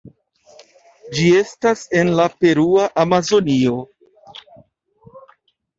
Ĝi estas en la Perua Amazonio.